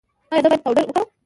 ایا زه باید پاوډر وکاروم؟